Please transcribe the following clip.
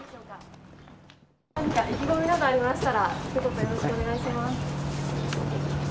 何か意気込みなどありましたら、ひと言よろしくお願いします。